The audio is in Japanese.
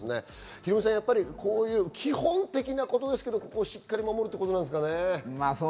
ヒロミさん、基本的なことですけど、しっかり守るということですかね。